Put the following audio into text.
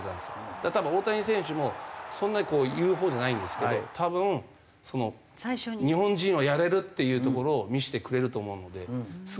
だから多分大谷選手もそんなに言うほうじゃないんですけど多分日本人はやれるっていうところを見せてくれると思うのですごい期待してますね。